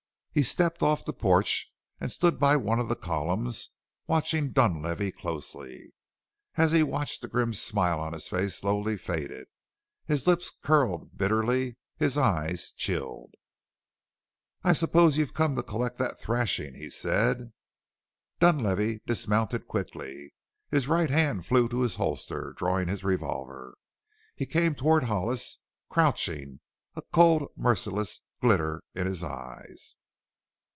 He stepped off the porch and stood by one of the columns, watching Dunlavey closely. As he watched the grim smile on his face slowly faded, his lips curled bitterly, his eyes chilled. "I suppose you've come to collect that thrashing?" he said. Dunlavey dismounted quickly, his right hand flew to his holster, drawing his revolver. He came toward Hollis crouching, a cold, merciless glitter in his eyes.